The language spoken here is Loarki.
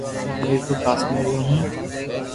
ھون ميرپورخاص مي ريون هون